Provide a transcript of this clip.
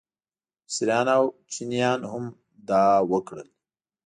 مصریان او چینیان هم دا وکړل.